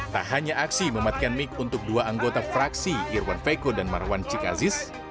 tak hanya aksi mematikan mic untuk dua anggota fraksi irwan veko dan marwan cikazis